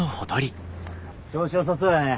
調子よさそうやね。